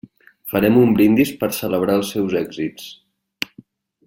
Farem un brindis per celebrar els seus èxits.